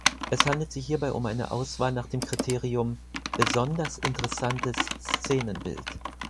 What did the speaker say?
Es handelt sich hierbei um eine Auswahl nach dem Kriterium „besonders interessantes Szenenbild“.